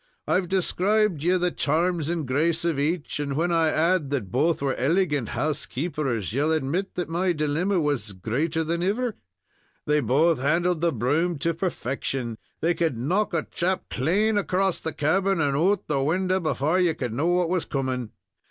I've described you the charms and grace of each, and when I add that both were elegant housekeepers, ye'll admit that my dilemma was greater than ever. They both handled the broom to perfection; they could knock a chap clane across the cabin and out of the window before ye could know what was coming.